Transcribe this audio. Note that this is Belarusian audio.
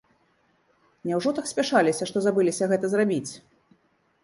Няўжо так спяшаліся, што забыліся гэта зрабіць?